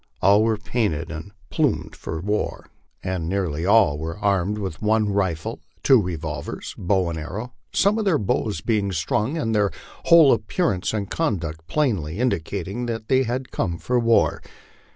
All were painted and plumed for war, and nearly all were armed with one rifle, two revolvers, bow and arrow, some of their bows being strung, and their whole appearance and conduct plainly indicating that they had come for war.